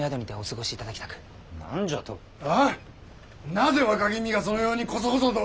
なぜ若君がそのようにこそこそと！